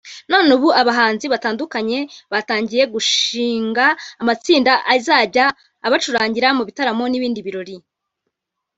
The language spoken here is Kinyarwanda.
none ubu abahanzi batandukanye batangiye gushinga amatsinda azajya abacurangira mu bitaramo n’ibindi birori